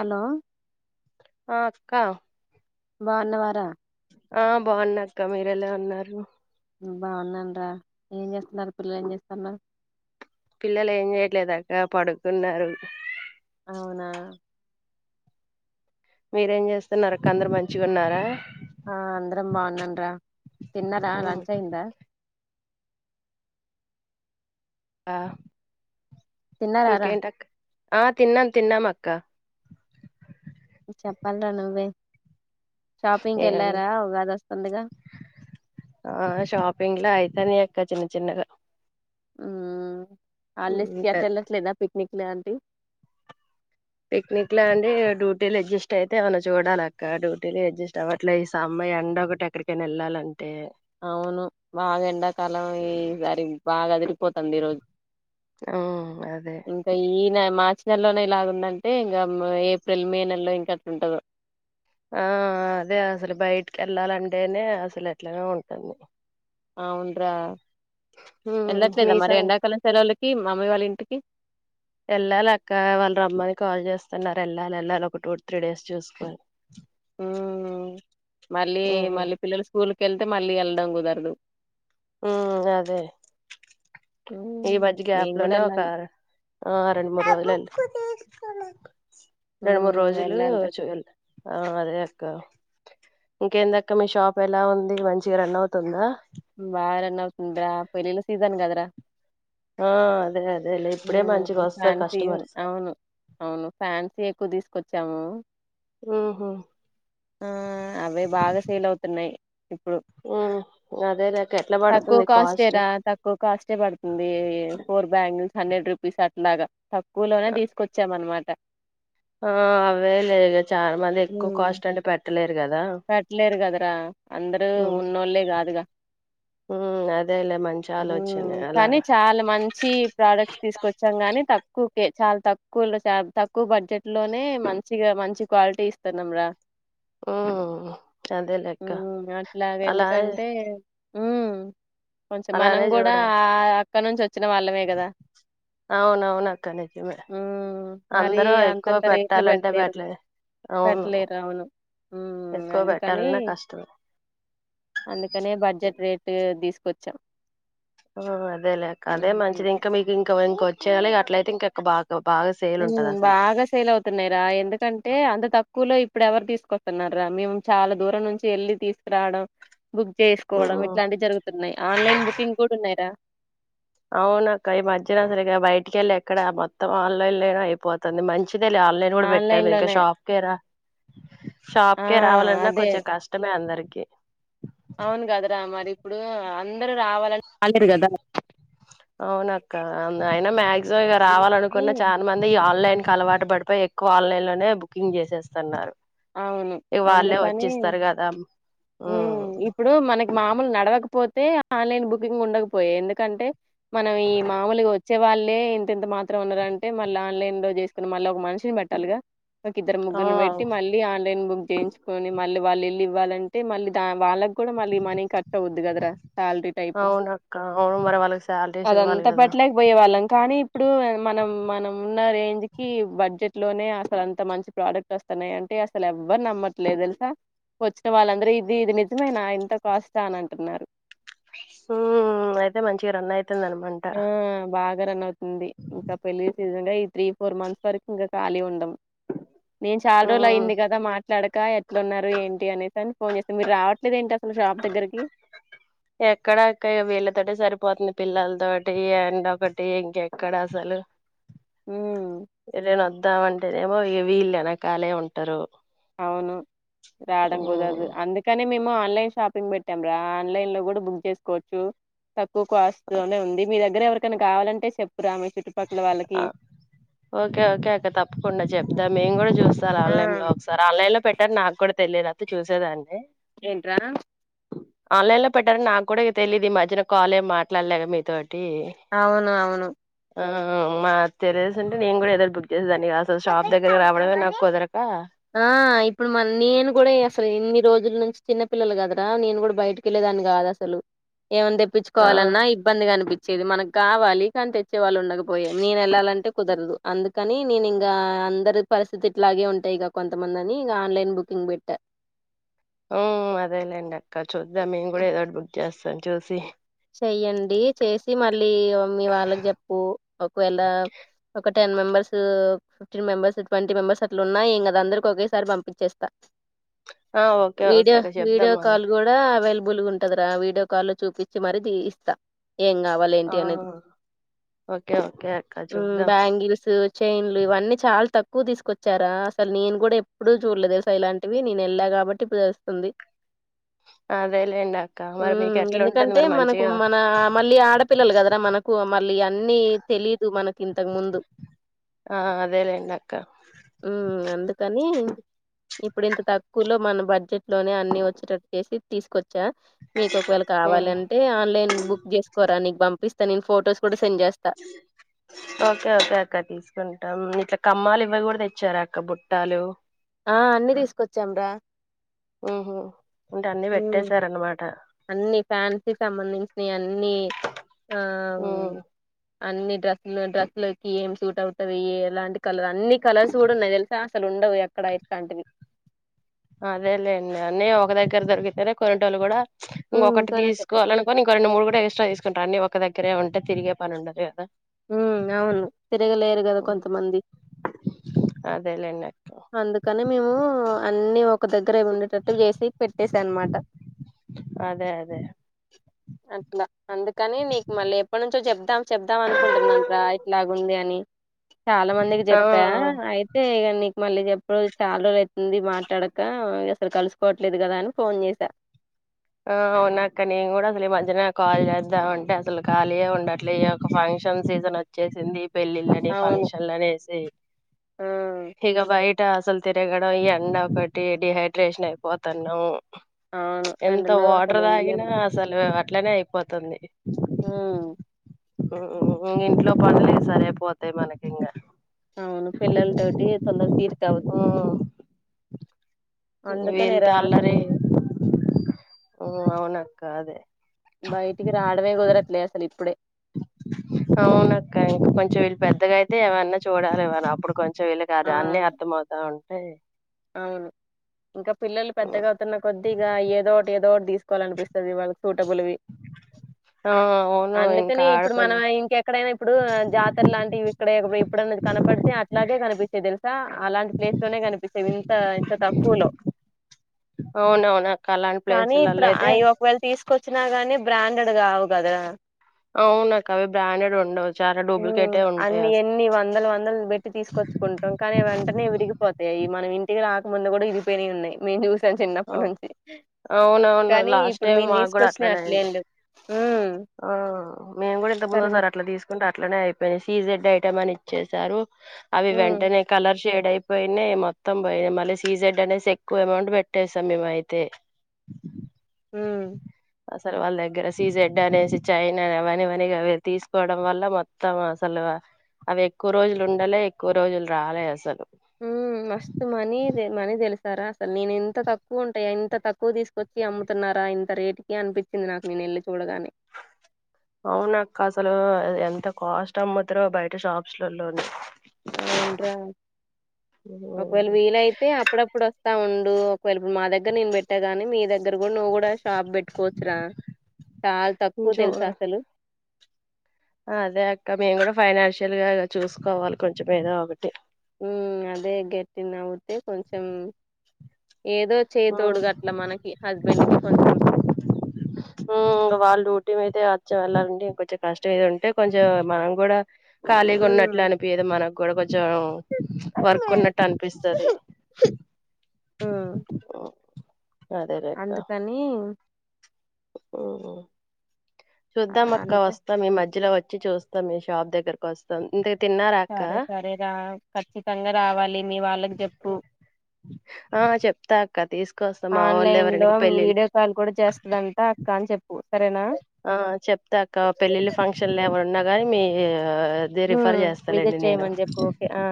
అలో ఆ అక్కా బాన్నవా రా ఆ బాగున్నా అక్క మీరు ఎలా ఉన్నారు బాగున్నానురా ఏం జెస్తన్నారు పిల్లలు ఏం జెస్తన్నావ్ పిల్లలు ఏం జేయట్లేదక్క పడుకున్నారు అవునా మీరేం చేస్తున్నారు అక్క అందరు మంచిగా ఉన్నారా ఆ అంద్రం బానన్రా తిన్నార ఉమ్, లంచ్ అయింద ఆ తిన్నారారా ఇంకేంటక్క ఆ తిన్నాం తిన్నాం అక్క చెప్పాల రా నువ్వే షాపింగ్కి ఏ వెళ్ళారా ఉగాది వస్తుందిగా ఆ షాపింగ్ తని అక్క చిన్న చిన్నగా ఆ హాలిడేస్ ఉమ్, యెట్ పెద్ద వెళ్లే లేదా పిక్నిక్ లేంటిడి పిక్నిక్ లో అండి డ్యూటీలు అడ్జస్ట్ అయితే ఏమన చూడాల అక్క డ్యూటీలు అడ్జస్ట్ అవ్వట్లే ఈ సమ్ అండి ఒకటి ఎక్కడికైనా వెళ్లంటడి అవును బాగా ఎండాకాలం ఈసారి బాగా అది పపోతుంది ఈ రోజు ఆ అదే ఇకా ఈనా మాచ నెలోనే ఇలాగుందంటే ఇంకా ఏప్రిల్ మే నెలలో ఇంకాట్లా ఉంటదు ఆ అదే అసలు బయటికి వెళ్లాలంటేనే అసలు ఎట్లానే ఉంటుంది అవునురా ఉమ్, వెళ్ళట్లేదా మీ మరి సం ఎండాకాలం సెలవుళ్ళకి మామయ్య వాళ్ళ ఇంటికి స్తున్నారు వెళ్ళాలి వెళ్లాలి ఒక టూ త్రీ డేస్ చూసుకోని ఉ మళ్ళీ ఉమ్ మళ్ళీ పిల్లలు స్కూల్ క వెళ్తే మళ్ళీ వెళ్ళడం కుదరదు ఉ అదే ఈ ఉమ్ మధ్య గ్యాప్ మేము కూడా లోనే ఒక వెళ్ళాలి ఆ రెండు మూడు రోజులు [inaudible] రెండు మూడు ఉమ్ రోజులు వెళ్ళాలిరా చూయాలి అదే ఇంకేందక మీ షాప్ ఎలా ఉంది మంచిగా రన్ అవుతుందా బారన్ అవతుందరా పెళ్ళిళ్ళ సీజన్ కదరా ఆ అదే అదే ఫ్యాన్సీ అవును అవును ఫ్యాన్సీ ఎక్కువ తీసుకు వచ్చాము ఉహు ఆ అవే బాగా ఫీల్ అవుతున్నాయి ఇప్పుడు ఉమ్ అదేలేక్క ఎట్లా తక్కువ పడుతుంది కాస్ట్ కాస్టేరా తక్కువ కాస్టే పడుతుంది ఫోర్ బ్యాంగిల్స్ హండ్రండ్ రూపిస్ అట్లాగా తక్కువలోనే తీసుకొచ్చాం అన్నమాట త ఆ అవే లేదు చాలా మంది ఎక్కువ కాస్ట్ అంటే పెట్టలే పెట్లేరు కదరా అందరు ఉమ్ ఉన్నోల్లే కాదుగా. ఉమ్ అదేలే మంచి మ్మ్ ఆలోచనే అలా కానీ చాలా మంచి ప్రొడక్ట్స్ తీసుకొచ్చాం గానీ తక్కు కే చాలా తక్కువ లో చాల తక్కువ బడ్జెట్ లోనే మంచిగా మంచి క్వాలిటీ ఇస్తున్నం రా మ్మ్ అదేలేక్క ఉమ్ అలా మ్మ్ కొంచెం మనం కూడా చూడాలి అక్కడ నుంచి వచ్చిన వాళ్ళమే గదా అవునవును అక్క నిజమే ఉమ్ మరి అందరూ ఎక్కువ అంతంత రేట్లు పెట్టాలంటే పెట్టలేరు పెట్టలే అవును ఎక్కువ అందుని పెట్టాలన్నా కష్టమే అందుకని బడ్జెట్ రేటు తిస్ కొచ్చం ఆ అదేలే అక్క అదే మంచిది ఇంకా మీకు ఇంకా ఇంకొ చేయాలిగా అట్లయితే ఇంక ఎకు బాగ్ మ్మ్ బాగా సేల్ అవుతున్నయి రా. ఎందుకంటే అంత తక్కు వలో ఇప్పుడు ఎవరు తీసుకొస్తున్నరు రా మేము చాలా దూరం నుంచి వెళ్ళి తీసుకురావడం. బుక్ చేసుకోవడం ఉమ్ ఇట్లాంటివి జరుగుతున్నాయి ఆన్లైన్ బుకింగ్ కూడా ఉన్నయి రా! అవును అక్క ఈ మధ్యన అసలు ఇగ బయటికెళ్ళి ఎక్కడ మొత్తం ఆన్లైన్లనే అయిపోతుంది మంచి ఇదేలే ఆన్లైన్ కూడా బెట్టాం ఇంక షాప్ కే రా. ఆ షాప్కే రావాలన్నా అదే కొంచెం కష్టమే అందరి కే అవును కదరా మరి ఇప్పుడు అందరు రావాలని రాలేరు కదా. అవునక్క అయినా మాక్సిమం ఇగ అందుకని రావాలనుకున్న చాన మంది ఆన్లైన్ కి అలవాటు పడిపోయి ఎక్కువ ఆన్లైన్ లోనే బుకింగ్ చేసేస్తున్నారు అవును ఇగ వాళ్ళే అందుకనీ వచ్చిస్తారు కదా మ్మ్ ఉమ్ ఇప్పుడు మనకి మాములు నడవక పోతే ఆన్లైన్ బుకింగ్ ఉండకపోయే ఎందుకంటే మనం ఈ మామూలుగా వ వచ్చే వాళ్ళే ఇంత ఇంత మాత్రం ఉన్నారంటే, మళ్ళ ఆన్లైన్లో చేసుకుని మళ్ళీ ఒక మనిషిని పెట్టాలిగా. ఒక ఇద్దరు ఆ ముగ్గుర్ని పెట్టి మల్లి న్లైన్ బుక్ చేయించుకొని మళ్ళీ వాళ్ళు ఎళి ఇవ్వాలంటే మళ్ళీ దా వాళ్ళక్ కూడా మళ్ళీ మనీ కట్ అవద్ది కదరా శాలరీ టైప్. అవునక్క అవును మరి వాళ్ళకి శాలరీస్ ఇవ్వాలి అదంతా కదా పెట్టలేకపోయే వాళ్ళం కానీ, ఇప్పుడు మనం మనం ఉన్న రేంజ్కి బడ్జెట్లోనే అసలు అంత మంచి ప్రోడక్ట్ వస్తున్నయి అం టే అసలు ఎవ్వరు నమ్మట్లేదు తెలుసా! వచ్చిన వాళ్ళందరూ ఇది ఇది నిజమేనా ఇంత కాస్టా అని అంటున్నారు. హ్మ్ అయితే మంచి రన్ అయి తుంది అనమంట. ఇంగ రన్ అవుతుంది. ఇంక పెళ్లి సీజన్ గా ఈ త్రీ ఫోర్ మంత్స్ వరకు ఇంగ ఖాళీ ఉండం నేను చాలా రోజులు ఉమ్ అయ్యింది కదా మాట్లాడక ఎట్లున్నారు ఏంటి అనేసి అని ఫోన్ చేస్తే మీరు రావట్లేదు ఏంటి అసలు షాప్ దగ్గరకి ఎక్కడా అక్క ఇ వీళ్ళతోటి సరిపోతుంది పిల్లలతోటి ఎండ ఒకటి ఇంకెక్కడ అసలు హ్మ్. ఎదైనా వద్దామంటేనేమో ఇగ వీళ్ళు ఎనకాలే ఉంటారు అవును రాడం కుదరదు ఉమ్ అందుకనే మేము ఆన్లైన్ షాపింగ్ పెట్టాం రా ఆన్లైన్ లో కూడా బుక్ చేసుకోవచ్చు తక్కువ కాస్ట్ తోనే ఉంది మీర్ అది దగ్గర ఎవరికన్నా కావాలంటే చెప్తే ఆ ఓకే ఓకే అక్క తప్పకుండా చెప్తా మేము గుడా చూస్తారు ఆ ఆన్లైన్ లో ఒకసారి ఆన్లైన్ లో పెట్ అంట నాకు కూడా తెలియదు అంతే చూసేదాన్ని ఏంట్రా ఆన్లైన్ లో పెట్టారని నాకు కూడా ఇగ తెలీయదు ఈ మధ్యన కాలేం మాట్లాడలే కదా మీతోటి అవును అవును ఆ మాక్ తెలిసుంటే నేను గుడా ఎదో ఒకదాన్ని బుక్ చేసేదాన్ని గా షాప్ దగ్గర రావడమే నాక్ కుదర ఆ ఇప్పుడు మరి నేను గుడా అసలు ఇన్ని రోజులు నుంచి చిన్న పిల్లలు కదరా నేను కూడా బయటకి వెళ్లేేదాని కాదు అసలు ఏమన్న ఆ తెప్పించుకోవాలన్నా ఇబ్బందిగా అనిపిం ఇది మనకు కావాలి కానీ తెచ్చే వాళ్ళు ఉండక పోయం నేను ఎళ్ళాలంటే కుదరదు అందుకని నేను ఇంకా అందరు పరిస్థితి ఇట్లాగే ఉంటాయ్ గా కొంతమంది అని ఇగా ఆన్లైన్ బుకింగ్ బెట్టారు హు హుమ్ అదేలేండి అక్క చూద్దాం మేము కూడా ఏదోటి బుక్ చేస్తాం చూసి చెయ్యండి చేసి మళ్ళీ మీ వాళ్ళకి చెప్పు ఒకవేళ ఒక ten members fifteen members twenty members అట్లు ఉన్న ఏం కాదు అందరికి ఒకేసారి పంపించేస్తా ఆ ఓకే ఓకే వీడియో అక్క చెప్దాం వీడియో మరి కాల్ గుడా అవైలబుల్ గా ఉంటుంది కదరా వీడియో కాల్లో చూపించి మరి తియిస్తా ఏం కావాల ఏంటి ఆ అనేది ఓకే ఓకే అక్క ఉమ్ చూద్దాం బ్యాంగిల్స్ చైన్లు ఇవన్నీ చాలా తక్కువ తీసుకొచ్చారా అసలు నేను కూడా ఎప్పుడూ చూడలేదు తెలుస ఇలాంటివి నేను వెళ్ళా కాబట్టి ఇప్పుడు తెలుస్తుంది అదేలేండి అక్క మరి మీకెట్లు అంటే మనకు మన మళ్లీ ఆడపిల్లలు కదరా మనకు మళ్ళీ అన్నీ తెలిదు మనకి ఇంతకు ముందు ఆ అదేలేండి అక్క ఉమ్ అందుకని ఇప్పుడు ఇంత తక్కువలో మనం బడ్జెట్ లోనే అన్ని వచ్చేటటు చేసి తీసుకొచ్చ ఛా మీకు ఒక వెల్క ఉమ్ కావాలంటే నేన్ బుక్ చేసుకోరా నీకు పంపిస్తాను నేను ఫోటోస్ కూడా సెండ్ చేస్తా ఓకే ఓకే అక్క తీసుకుంటాం ఇట్లా కమ్మాలు ఇవ్వ కూడా తెచ్చారా అక్క బుట్టాలు ఆ అన్ని తీసుకొచ్చాం రా ఉహూ ఉమ్ అన్ని ఫ్యాన్సీ సంబంధించి నీ అన్నీ ఆ ఉమ్, అన్ని డ్రెస్లు డ్రెస్లకి ఏం సూట్ అవుతవి ఎలాంటి కలర్ అన్ని కలర్స్ కూడా ఉన్నాయి తెలుసా అసలు ఉండవు ఎక్కడ ఎట్లాంటివి అదేలే అన్ని ఒక్క దగ్గర దొరుకుతే కొనేటోళ్లు కూడా ఉమ్ ఒకటి కొనేట తీసుకోవాలని ఇంకా రెండు మూడు కూడా ఎక్స్ట్రా తీసుకుంటారు అన్నీ ఒక దగ్గరే ఉంటే తిరిగే పని ఉండదు కదా ఉమ్ అవును తిరగలేరు కదా ఉమ్, కొంతమంది అదేలేండి అక్క అందుకని మేము అన్నీ ఒక దగ్గె రేవ్ ఉండేటట్టు వేసి పెట్టసా అనమాట అదే అదే అట్లా అందుకని నీకు మళ్ళీ ఎప్పటినుంచో చెప్దాం చెప్దాం అనుకుంటున్నాంట్రా ఇట్లాగుంది అని చాలా మందికి ఆ చెప్పా అయితే ఇ నీ మళ్ళీ చెప్పుడు చాలా రోజులు అవుతుంది మాట్లాడక అసలు కలుసుకోవట్లేదు కదా అని ఫోన్ చేసా ఆ అవున అక్క నేను కూడా అసలు ఈ మధ్యన ాళీ చేద్దా అంటే అసలు ఖాళీయ ఉండట్లే ఈ యొక్క ఫంక్షన్ సీజన్ వచ్చేసింది పెళ్ళిళని అవును ఫంక్షన్లని వసి ఆ ఇక బై ఇట్ట అసలు తిరగడం ఈ ఎండ పెట్టి డిహైడ్రేషన్ అయిపోతున్నా అవును ఎంత ఎండలో ఓటర్ అసలు తాగిన ఉండలేము రా అసలు అట్లనే అయిపోతుంది ఆ ఇంట్లో పనులే సరే పోతాయి మనకి ఇంకా అవును పిల్లలతోటి తొందర తీరు కావదు వీళతో అల్లరిే ఉ అవున అక్క అదే బయటికి రావడమే కుదరట్లే అసలు ఇప్పుడే అవునక్క ఇంక కొంచెం వీళ్ళు పెద్దగా అయితే ఏవన్నా చూడాలి ఎవరు అప్పుడు కొంచెం చెయలు ఆ కాదు అన్నీ అర్థమ అవుతా ఉంటయి అ అవును ఇంకా పిల్లలు ఉమ్, పెద్దగా అవుతున్న కొద్ది ఇగ ఏదో ఒకటి ఏదోటి తీసుకోవాలనిపిస్తది వాళ్ళ సూటబుల్వి ఆ అవును ఇంకా అందుకని ఇప్పుడు మన ఆడపిల్ల ఇంకెక్కడైనా ఇప్పుడు జాతర లాంటివి ఇక్కడే ఇప్పుడన్నది కనపడితే అట్లాగే కనిపిస్తాయి దెలుసా అలాంటి ప్లేస్ లోనే కనిపి ఇంత ఇంత తక్కువలో అవునవును అక్క అలాంటి కానీ ప్లేసులలో ఇప్పుడు అయితే అయి ఒకవేళ తీసుకు కొచ్చినా గాని బ్రాండెడ్ కావు కదా అవునక్క అవి బ్రాండెడ్ ఉండవు చాలా డూప్లికేటే ఉంటాయి అన్ని ఎన్ని అసలు వందలు వందలు బెట్టి తీసుకొచ్చుకుంటాం కానీ వెంటనే విరిగిపోతాయి మనం ఇంటికి రాకముందు గూడా ఇరిగిపోయినయి ఉన్నాయి మేము చూసి చిన్నప్పటి నుంచి అవునవును కానీ లాస్ట్ ఇప్పుడు టైం మీను మాకు కూడా దీసుకొచ్చినయి అట్లనే అయింది అట్లేం లేవు ఉమ్ ఆ మేము గూడా ఇంత సరే ముందోసారి అట్లా దీసుకుంటే అట్లనే అయిపోయినాయి సీజె ఐటమ్ అని ఇచ్చేసా అవి ఉమ్ వెంటనే కలర్ చెడ్ అయిపోయినా మొత్తం పోయినా మళ్ళీ సీజెడ్ అనేసి ఎక్కువ అమౌంట్ పెట్టేస్తాం మేము అయితే హ అసలు వాళ్ళ దగ్గర సీజెడ్ అనేసి చైన్ అనే అవనివని అ తీసుకోవడం వల్ల మొత్తం అసలు అవి ఎక్కువ రోజులు ఉండలే ఎక్కువ రోజులు రాలే అసలు ఉ మస్తు మనీద మనీ తెలుసు సరా అసలు నేను ఇంత తక్కువ ఉంటాయా ఇంత తక్కువ దీసుకొచ్చి అమ్ముతున్నారా ఇంత రేటుకి అనిపించింది నాకు నేను వెళ్ళి చూడగానే అవునక్క అసలు ఎంత కాస్ట్ అమ్ముతరో బయట షాప్స్ లలోని అవును్రా ఒకవేళ వీలయితే అప్పుడప్పుడోత్త ఉం డు ఒకవేళపుడు మా దగ్గర నేను బెట్టా గానీ మీ దగ్గర నువ్వు గూడా షాప్ బెట్టుకోవచ్చురా చాలా తక్కువ చూ తెలుసా అసలు అదే అక్క మేము గూడా ఫైనాన్షియల్ గా చూసుకోవాలి కొంచెం ఏదో ఒకటి ఉమ్... అదే గట్టి నవ్తే కొంచం ఏదో చే తోడుగు అట్లా మనకి హస్బెండ్ కి కొంచెం కొంచెం యెళ్లాలంటే ఇంకొంచెం కష్టం ఏది ఉంటే కొంచెం మనం కూడా ఖాళీగా హ్మ్ ఉన్నట్లు అనిపియద మనకు గోడవ కొంచ వర్క్ ఉన్నట్టు అనిపిస్తాది హ్మ్ ఆ... అందుకని ఓహో చుద్దాం అక్క అందుకని వస్తా ఈ మధ్యలో వచ్చి చ్చి చూస్తాం మీ షాప్ దగ్గరకొస్తాం అంతే సరే సరేరా ఖచ్చితంగా రావాల్ మీ వాళ్ళకి చెప్పు ఆ చెప్తా అక్క తీసుకొస్తాం మా వాళ్ళు ఎవరైనా ఆన్లైన్లో పెళ్ళిళ్ళ వీడియో కాల్ కూడా చేస్తదంటా అక్క అని చెప్పు. సరేనా ఆ చెప్తా అక్క పెళ్ళిళ్ళ ఫంక్షన్లు ఎవన్న ఉన్నా గానీ మీ రిఫర్ ఉమ్ విజిట్ చేస్తాలేండి నేను చేయ్యమని చెప్పూ ఓకే ఆ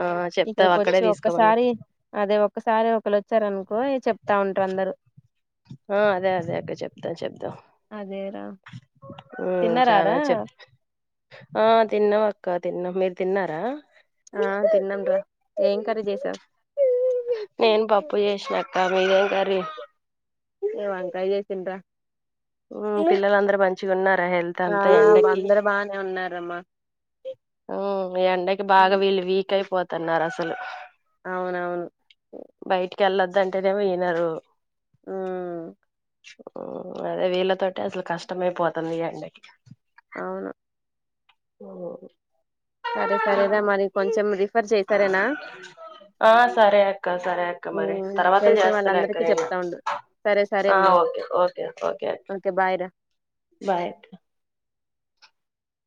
ఆ చెప్తా ఇక్కడికి అక్కడే వచ్చి తీసుకోమని ఒక్కసారి అదే ఒక్కసారి ఒకలోచ్ సరే అను కో ఇగ చెప్తా ఉంటరందరు ఆ అదే అదే అక్క చెప్తా చెప్దాం అదే రా ఉమ్ చాలా చెప్ ఆ తిన్నమక్ కా తిన్నం, మీరు తిన్నారా ఆ తిన్నాం రా, ఏం కర్రీ చేసావ్ నేను పప్పు చేసినక్క మీదేం కర్రీ ఇగ వంకాయ్ చేసిన్రా మ్ పిల్లలందరు మంచిగున్నారా హెల్త్ ఆ అంత ఎండకి అందరు బానే ఉన్నారమ్మా ఉమ్ ఎండకి బాగా వీళ్ళు వీక్ తెయిపోతున్నారసలు అవునవును ఎల్లొద్దుంటేనేమో వినరు మ్మ్ అదే వీళ్ళతోటి అసలు కష్టమైపోతుంది ఈ ఎండకి అవును మ్మ్ సరే సరే ర మరి కొంచెం రి ఆ సరే అక్క సరే అక్క మరి ఉమ్, తర్వాత తెలిసిన చేస్తలే అక్క వాళ్ళందరికీ నేను చెప్తా ఉండు సరే సరే ఆ అమ్మా ఓకే ఓకే ఓకే బాయ్ రా బాయ్ అక్క